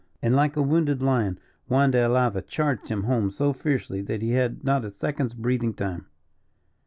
And, like a wounded lion, Juan de Alava charged him home so fiercely that he had not a second's breathing time.